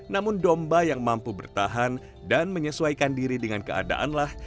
namun domba yang mampu bertahan dan menyesuaikan diri dengan keadaanlah